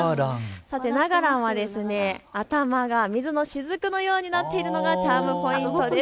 ながランは頭が水の滴のようになっているのがチャームポイントです。